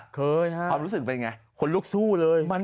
คิดว่าเป็นไง